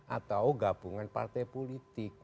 atau gabungan partai politik